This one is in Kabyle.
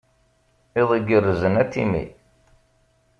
Iḍ igerrzen a Timmy.